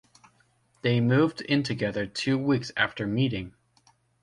They moved in together two weeks after meeting.